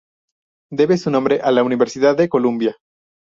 Debe su nombre a la Universidad de Columbia.